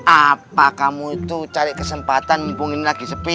apa kamu tuh cari kesempatan ngumpulin lagi sepi